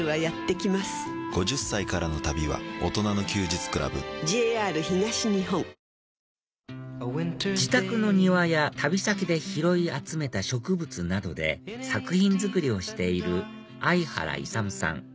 じっくり考えてね自宅の庭や旅先で拾い集めた植物などで作品作りをしている相原勇さん